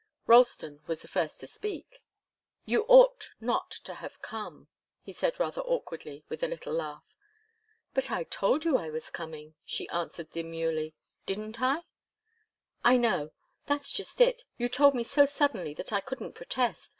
Ralston was the first to speak. "You ought not to have come," he said rather awkwardly, with a little laugh. "But I told you I was coming," she answered demurely. "Didn't I?" "I know. That's just it. You told me so suddenly that I couldn't protest.